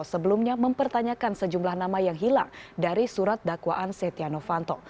sebelumnya mempertanyakan sejumlah nama yang hilang dari surat dakwaan setia novanto